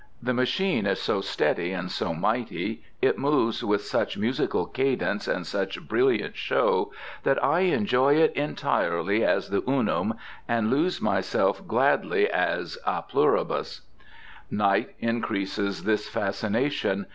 The machine is so steady and so mighty, it moves with such musical cadence and such brilliant show, that I enjoy it entirely as the unum and lose myself gladly as a pluribus. Night increases this fascination.